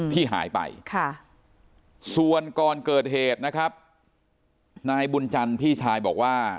ที่หายไปส่วนก่อนเกิดเหตุนะครับนายบุญจันทร์พี่ชายบอกว่า